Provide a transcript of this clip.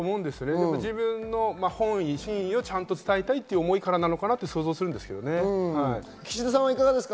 自分の真意をちゃんと伝えたいという思いからなのかなと想像するんですけどね。